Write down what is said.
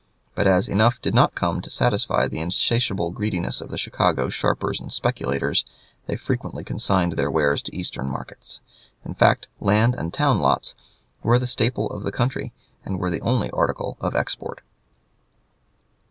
But as enough did not come to satisfy the insatiable greediness of the Chicago sharpers and speculators, they frequently consigned their wares to Eastern markets. In fact, lands and town lots were the staple of the country, and were the only article of export."